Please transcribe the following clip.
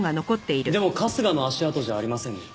でも春日の足跡じゃありませんね。